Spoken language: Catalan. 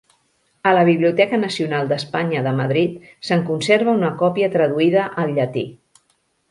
A la Biblioteca Nacional d'Espanya de Madrid se'n conserva una còpia traduïda al llatí.